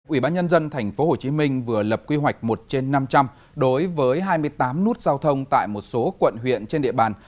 ủy ban nhân dân tp hcm vừa lập quy hoạch một trên năm trăm linh đối với hai mươi tám nút giao thông tại một số quận huyện trên địa bàn